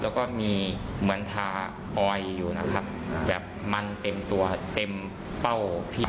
แล้วก็มีเหมือนทาออยอยู่นะครับแบบมันเต็มตัวเต็มเป้าที่